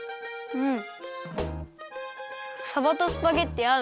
うん。